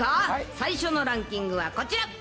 最初のランキングはこちら。